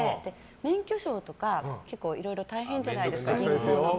免許証とか、結構いろいろ大変じゃないですか。